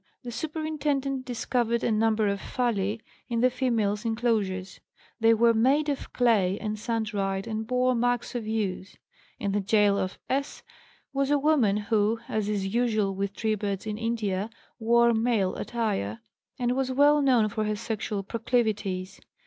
the superintendent discovered a number of phalli in the females' inclosure; they were made of clay and sun dried and bore marks of use. In the gaol of S. was a woman who (as is usual with tribades in India) wore male attire, and was well known for her sexual proclivities.